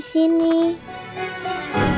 ascara dari mana